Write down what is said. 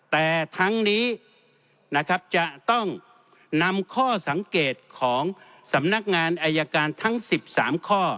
แต่ทั้งนี้นะครับจะต้องนำข้อสังเกตของสำนักงานอายการทั้ง๑๓ข้อ